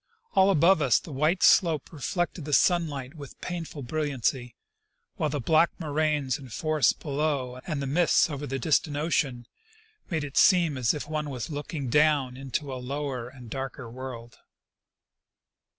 All about us the white slope reflected the sunlight with painful brilliancy, while the black moraines and forests below and the mists over the distant ocean, made it seem as if one was looking down into a lower and darker world.